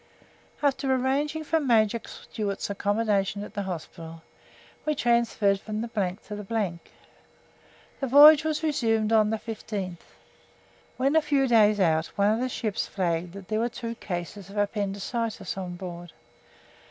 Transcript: After arranging for Major Stewart's accommodation at the hospital, we transferred from the to the . The voyage was resumed on the 15th. When a few days out, one of the ships flagged that there were two cases of appendicitis on board.